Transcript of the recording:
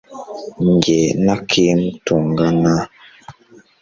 jye na kim tungana